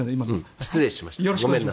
失礼しました。